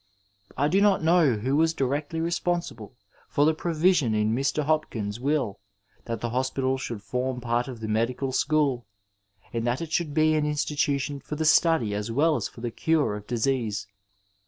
I do not know who was directly reponsiUe for the provision in Mr. Hop kins' will that the hospital should form part of the Medical School, and that it should be an institution for the study as weQ as for the cure of disease.